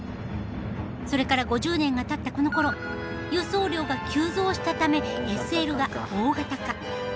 それから５０年がたったこのころ輸送量が急増したためＳＬが大型化。